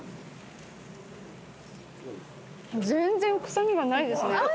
全然臭みがないですね。